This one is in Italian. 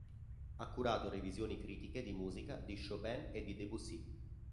Ha curato revisioni critiche di musica di Chopin e di Debussy.